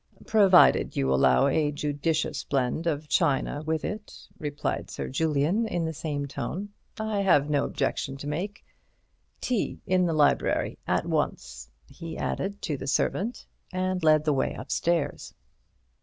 '' "Provided you allow of a judicious blend of China with it," replied Sir Julian in the same tone, "I have no objection to make. Tea in the library at once," he added to the servant, and led the way upstairs.